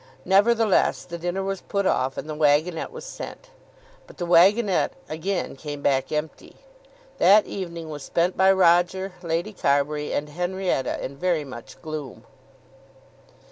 Nevertheless the dinner was put off, and the waggonnette was sent. But the waggonnette again came back empty. That evening was spent by Roger, Lady Carbury, and Henrietta, in very much gloom.